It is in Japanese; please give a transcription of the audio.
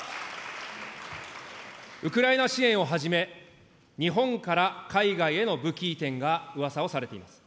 ウクライナ支援をはじめ、日本から海外への武器移転がうわさをされています。